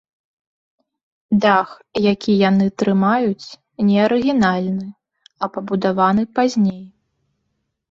Дах, які яны трымаюць, не арыгінальны, а пабудаваны пазней.